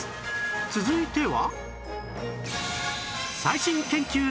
続いては